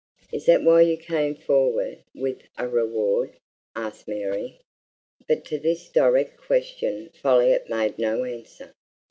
"Is that why you came forward with a reward?" asked Mary. But to this direct question Folliot made no answer.